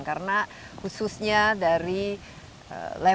karena khususnya dari level mikro